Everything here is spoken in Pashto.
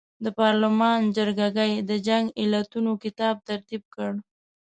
د پارلمان جرګه ګۍ د جنګ علتونو کتاب ترتیب کړ.